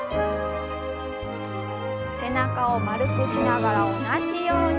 背中を丸くしながら同じように。